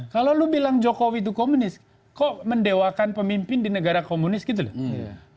kalau lo bilang jokowi itu komunis kok mendewakan pemimpin di negara komunis gitu loh